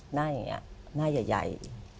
หน้าอย่างนี้หน้าใหญ่